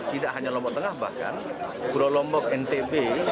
tidak hanya lombok tengah bahkan pulau lombok ntb